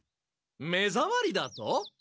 めざわりだと？